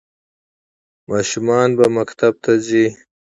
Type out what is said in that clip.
ماشومان به مکتب ته ځي؟